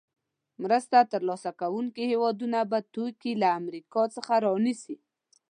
مرسته تر لاسه کوونکې هېوادونه به توکي له امریکا څخه رانیسي.